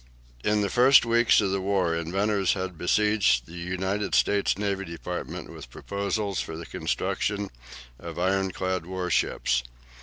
In the first weeks of the war inventors had besieged the United States Navy Department with proposals for the construction of ironclad warships.